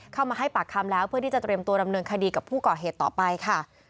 เข้ามาให้ปากคำแล้วเพื่อที่จะเตรียมตัวดำเนินคดีกับผู้ก่อเหตุต่อไปค่ะ